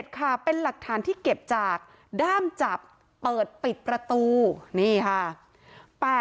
ค่ะเป็นหลักฐานที่เก็บจากด้ามจับเปิดปิดประตูนี่ค่ะ